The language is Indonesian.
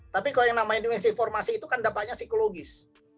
tapi kalau yang namanya misinformasi itu kan dapatnya psikologis